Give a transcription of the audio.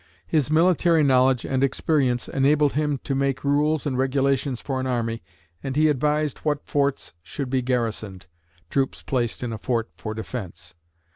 His military knowledge and experience enabled him to make rules and regulations for an army, and he advised what forts should be garrisoned. (Troops placed in a fort for defense.)